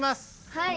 はい。